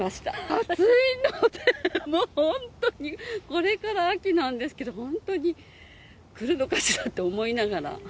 暑いので、もう本当に、これから秋なんですけど、本当に来るのかしらって思いながら。